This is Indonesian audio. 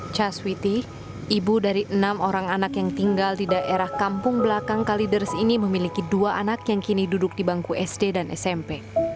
caswiti ibu dari enam orang anak yang tinggal di daerah kampung belakang kalideres ini memiliki dua anak yang kini duduk di bangku sd dan smp